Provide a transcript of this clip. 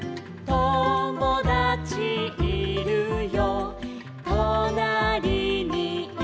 「ともだちいるよ」「となりにいるよ」